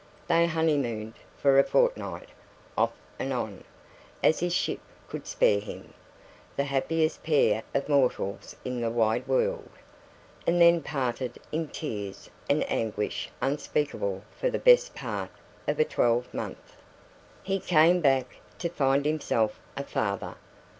They honeymooned for a fortnight, off and on, as his ship could spare him the happiest pair of mortals in the wide world and then parted in tears and anguish unspeakable for the best part of a twelvemonth. He came back to find himself a father.